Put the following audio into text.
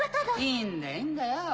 いいんだいいんだよ！